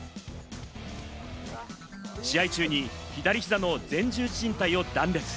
試合中に左膝の前十字靭帯を断裂。